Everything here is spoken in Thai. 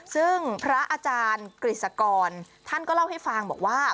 ซึ่งพระอาจารย์กฤษกรท่านก็เล่าให้ฟังบอกว่า